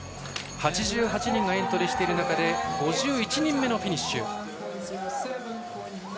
８８人がエントリーしている中で５１人目のフィニッシュ。